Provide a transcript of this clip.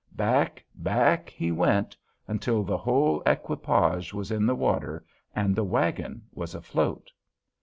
Back, back he went, until the whole equipage was in the water and the wagon was afloat.